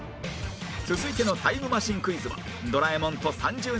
続いてのタイムマシンクイズはドラえもんと３０年